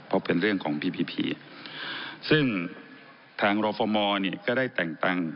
เพราะเป็นเรื่องของพี่พีพีซึ่งทางรฟมเนี่ยก็ได้แต่งตั้ง